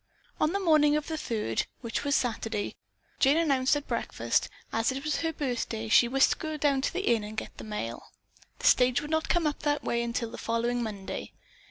On the morning of the third, which was Saturday, Jane announced at breakfast that, as it was her birthday, she wished to go down to the inn and get the mail. The stage would not come up that way until the following Monday.